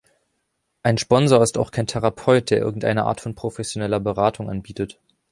Ein Sponsor ist auch kein Therapeut, der irgendeine Art von professioneller Beratung anbietet.